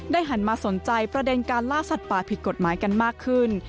หันมาสนใจประเด็นการล่าสัตว์ป่าผิดกฎหมายกันมากขึ้น